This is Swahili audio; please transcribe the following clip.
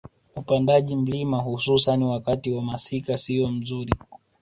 Upandaji mlima hususan wakati wa masika siyo mzuri